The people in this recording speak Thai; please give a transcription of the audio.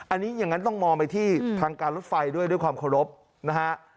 อันนี้อย่างนั้นต้องมองไปที่ทางการรถไฟด้วยด้วยความเคารพนะฮะ